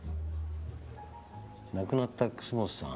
亡くなった楠本さん